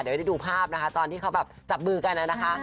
เดี๋ยวให้ได้ดูภาพนะคะตอนที่เขาแบบจับมือกันนะคะ